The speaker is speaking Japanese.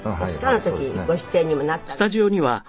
あの時にご出演にもなったんですけど。